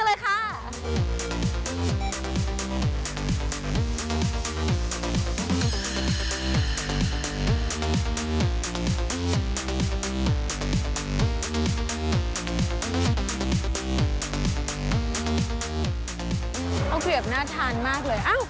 เอาข้าวเกลียบน่าทานมากเลย